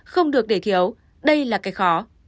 không được để thiếu đây là cái khó